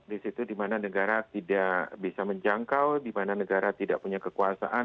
disitu dimana negara tidak bisa menjangkau dimana negara tidak punya kekuasaan